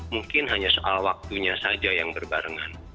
mungkin hanya soal waktunya saja yang berbarengan